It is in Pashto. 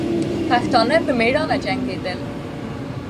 پښتانه په میړانه جنګېدل.